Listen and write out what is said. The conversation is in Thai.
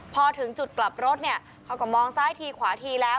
พอถึงจุดกลับรถเนี่ยเขาก็มองซ้ายทีขวาทีแล้ว